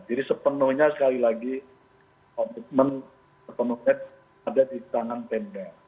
jadi sepenuhnya sekali lagi kompeten ada di tangan pendan